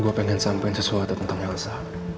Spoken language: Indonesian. gue pengen sampein sesuatu tentang yalsa